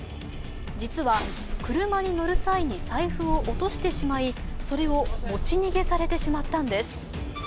実は、車に乗る際に財布を落としてしまいそれを持ち逃げされてしまったんです。